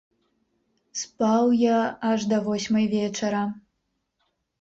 Спаў я аж да восьмай вечара.